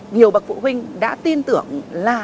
nhiều bậc phụ huynh đã tin tưởng là